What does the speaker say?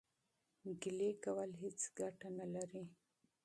شکایت کول هیڅ ګټه نلري.